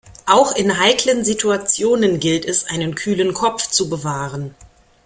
Auch in heiklen Situationen gilt es, einen kühlen Kopf zu bewahren.